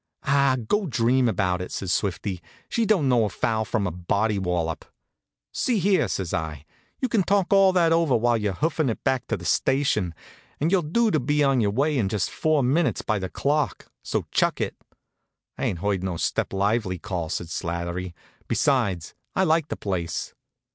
"Ah, go dream about it!" says Swifty. "She don't know a foul from a body wallop." "See here," says I, "you can talk all that over while you're hoofin' it back to the station; and you're due to be on your way in just four minutes by the clock; so chuck it!" "I ain't heard no step lively call," says Slattery. "Besides, I likes the place."